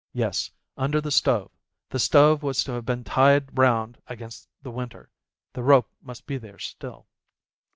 Yes, under the stove â€" the stove was to have been tied round against the winter. The rope must be there still.